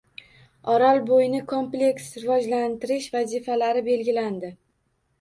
Orolbo‘yini kompleks rivojlantirish vazifalari belgilandi